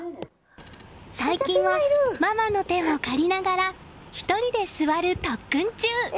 最近はママの手を借りながら１人で座る特訓中！